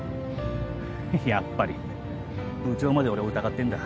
やっぱり部長まで俺を疑ってんだ。